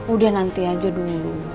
udah nanti aja dulu